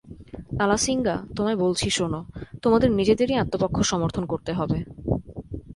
আলাসিঙ্গা, তোমায় বলছি শোন, তোমাদের নিজেদেরই আত্মপক্ষ সমর্থন করতে হবে।